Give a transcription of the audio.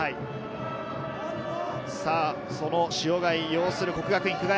その塩貝擁する國學院久我山。